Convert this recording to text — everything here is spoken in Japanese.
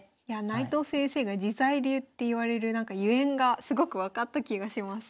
内藤先生が自在流っていわれるゆえんがすごく分かった気がします。